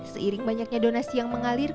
seiring banyaknya donasi yang mengalir